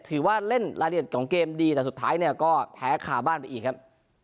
ถือว่าเล่นรายละเอียดของเกมดีแต่สุดท้ายเนี่ยก็แพ้คาบ้านไปอีกครับ